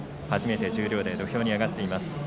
初めて十両で土俵に上がっています。